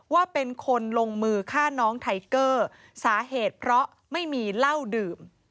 ว่าเป็นคนลงมือฆ่าน้องไทเกอร์สาเหตุเพราะไม่มีเหล้าดื่ม